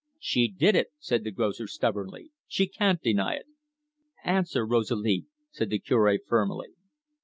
"She did it," said the grocer stubbornly. "She can't deny it." "Answer, Rosalie," said the Cure firmly.